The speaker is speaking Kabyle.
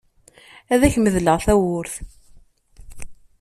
Ad ak-medleɣ tawwurt.